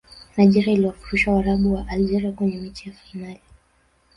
nigeria iliwafurusha waarabu wa algeria kwenye mechi ya fainali